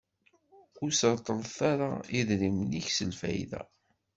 Ur s-treṭṭleḍ ara idrimen-ik s lfayda.